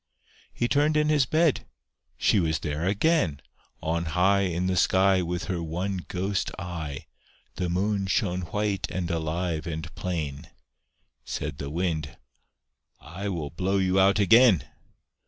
He turned in his bed; she was there again! On high In the sky With her one ghost eye, The Moon shone white and alive and plain. Said the Wind "I will blow you out again."